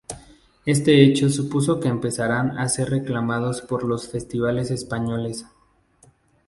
Este hecho supuso que empezaran a ser reclamados por los festivales españoles.